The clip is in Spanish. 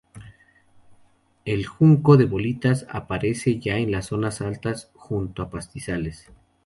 El junco de bolitas aparece ya en las zonas altas junto a pastizales.